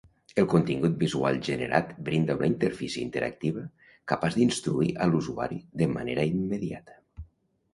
El contingut visual generat brinda una interfície interactiva capaç d'instruir a l'usuari de manera immediata.